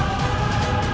aku mau makan